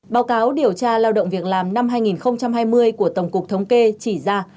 báo cáo điều tra lao động việc làm năm hai nghìn hai mươi của tổng cục thống kê chỉ ra